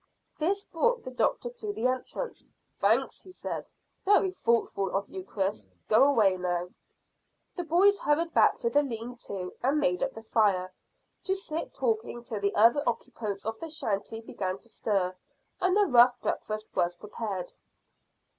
This brought the doctor to the entrance. "Thanks," he said. "Very thoughtful of you, Chris. Go away now." The boys hurried back to the lean to and made up the fire, to sit talking till the other occupants of the shanty began to stir, and the rough breakfast was prepared.